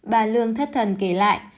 bà lương thất thần kể lại